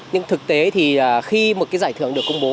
nhưng thực tế thì khi một cái giải thưởng được công bố